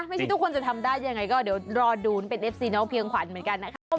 ทุกคนจะทำได้ยังไงก็เดี๋ยวรอดูเป็นเอฟซีน้องเพียงขวัญเหมือนกันนะคะ